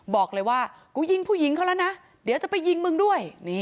บอกเลยว่ากูยิงผู้หญิงเขาแล้วนะเดี๋ยวจะไปยิงมึงด้วย